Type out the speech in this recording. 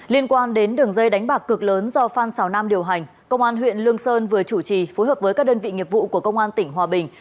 liên quan đến đường dây đánh bạc cực lớn do phan xào nam điều hành công an huyện lương sơn vừa chủ trì phối hợp với các đơn vị nghiệp vụ của công an tỉnh hòa bình